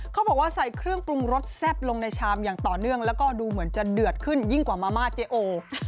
เขาบอกว่าใส่เครื่องปรุงรสแซ่บลงในชามอย่างต่อเนื่องแล้วก็ดูเหมือนจะเดือดขึ้นยิ่งกว่ามาม่าเจ๊โอ